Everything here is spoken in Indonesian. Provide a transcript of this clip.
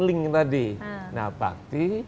link tadi nah bakti